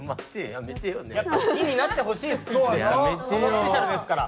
やっぱ好きになってほしいスピーチですから。